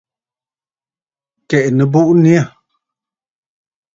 Kɛ̀ʼɛ nɨbuʼu nyâ.